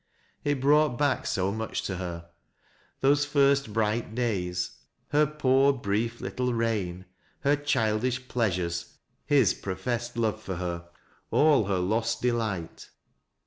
It brought back so much to her, — those first bright days, her poor, brief little reign, her childish pleasures, his professed love for her, all her lost delight.